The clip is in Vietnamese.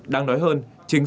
đáng nói hơn chính là